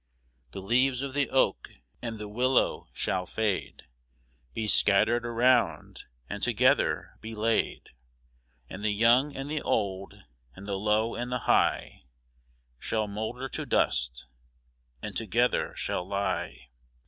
The leaves of the oak and the willow shall fade, Be scattered around, and together be laid; And the young and the old, and the low and the high, Shall moulder to dust, and together shall lie.